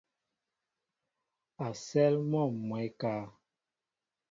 A sέέl mɔ mwɛɛ ékáá.